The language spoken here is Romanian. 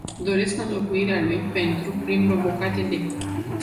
Doresc înlocuirea lui "pentru” prin "provocate de”.